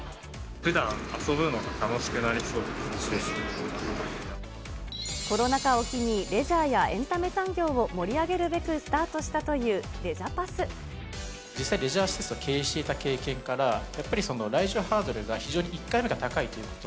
ふだん遊ぶのが楽しくなりそコロナ禍を機に、レジャーやエンタメ産業を盛り上げるべくスタートしたというレジ実際レジャー施設を経営していた経験から、やっぱり来場ハードルが非常に１回目が高いということ。